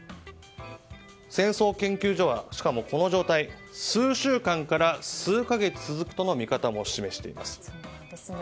戦争研究所は、しかもこの状態が数週間から数か月続くとの見方も示しています。